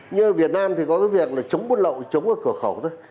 như ở việt nam thì có cái việc là chống buôn lậu chống ở cửa khẩu thôi